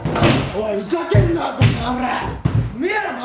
おい！